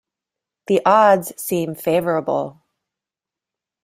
The odds seem favourable.